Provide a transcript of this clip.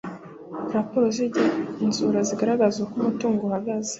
Raporo z igenzura zigaragaza uko umutungo uhagaze